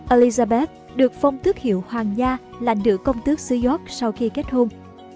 elizabeth được phong tước hiệu hoàng nha là nữ công tước xứ york sau khi kết hôn